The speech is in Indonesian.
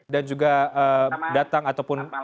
dan juga datang ataupun